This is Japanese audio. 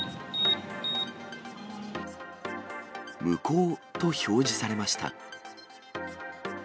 無効と表示されました。